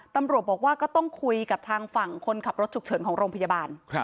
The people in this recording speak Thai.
ตำรวจบอกว่าก็ต้องคุยกับทางฝั่งคนขับรถฉุกเฉินของโรงพยาบาล